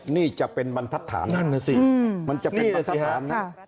นี่จะเป็นธัศน์มันจะเป็นธัศน์